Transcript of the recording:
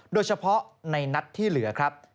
โดยเฉพาะในนัดที่เหลือครับ